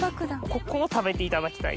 ここを食べていただきたい。